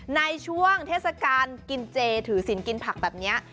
ในช่วงเทศกาลกินเจถือสินกินผักแบบนี้